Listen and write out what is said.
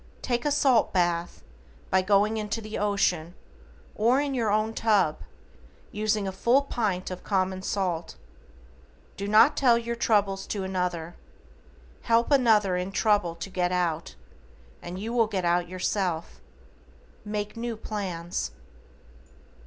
Take a salt bath, by going into the ocean, or in your own tub, using a full pint of common salt. Do not tell your troubles to another, HELP another in trouble to get out, and you will get out yourself. MAKE NEW PLANS.